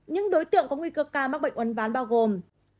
những đối tượng có nguy cơ ca mắc bệnh uốn ván bao gồm